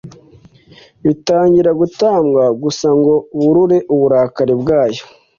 bitangira gutambwa gusa ngo burure uburakari bwayo